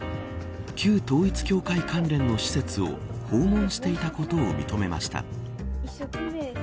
旧統一教会関連の施設を訪問していたことを認めました。